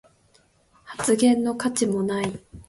発言の価値もない